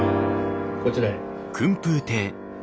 こちらへ。